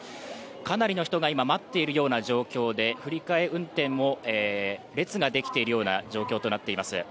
かなりの人が今、待っている状況で振り替え運転も列ができているような状況となっています。